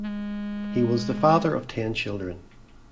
He was the father of ten children.